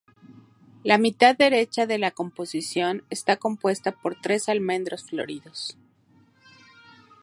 La mitad derecha de la composición está compuesta por tres almendros floridos.